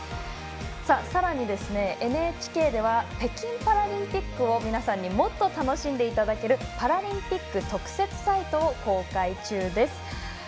さらに、ＮＨＫでは北京パラリンピックを皆さんにもっと楽しんでいただけるパラリンピック特設サイトを公開中です。